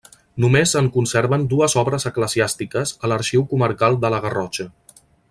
Només se'n conserven dues obres eclesiàstiques a l'arxiu comarcal de la Garrotxa.